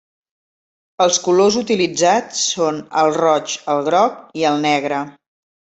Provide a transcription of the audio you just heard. Els colors utilitzats són el roig, el groc i el negre.